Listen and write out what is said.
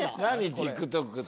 ＴｉｋＴｏｋって。